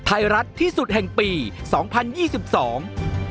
ไทยรัฐที่สุดแห่งปีสองพันยี่สิบสอง